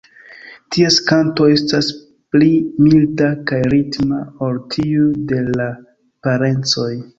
Ties kanto estas pli milda kaj ritma ol tiuj de la parencoj.